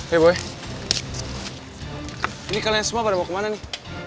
hei boy ini kalian semua pada mau kemana nih